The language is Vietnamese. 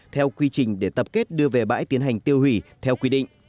theo quy trình để tập kết đưa về bãi tiến hành tiêu hủy theo quy định